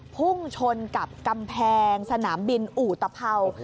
พุ่งชนกับกำแพงสนามบินอูตเผ่า